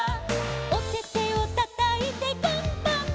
「おててをたたいてパンパンパン」